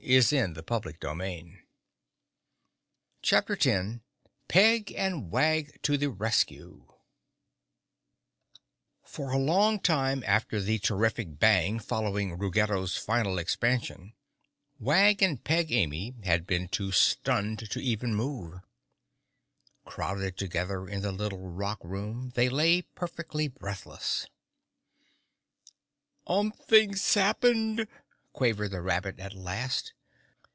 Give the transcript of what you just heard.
[Illustration: (unlabelled)] Chapter 10 Peg and Wag To The Rescue For a long time after the terrific bang following Ruggedo's final expansion, Wag and Peg Amy had been too stunned to even move. Crowded together in the little rock room, they lay perfectly breathless. "Umpthing sappened," quavered the rabbit at last.